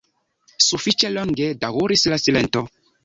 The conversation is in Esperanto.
Sufiĉe longe daŭris la silento.